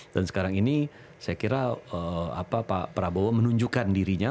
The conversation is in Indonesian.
dan sekarang ini saya kira pak prabowo menunjukkan dirinya